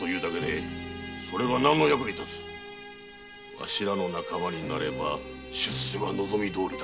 わしらの仲間になれば出世は望みどおりだ